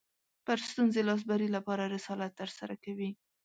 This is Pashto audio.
پر ستونزې لاسبري لپاره رسالت ترسره کوي